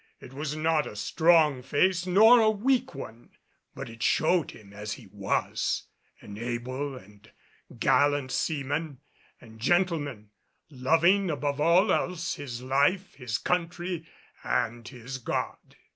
It was not a strong face, nor a weak one, but it showed him as he was, an able and gallant seaman and gentleman, loving above all else his life, his Country and his God.